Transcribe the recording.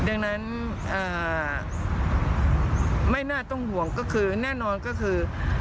ดังนั้นไม่น่าต้องห่วงก็คือแน่นอนก็คือ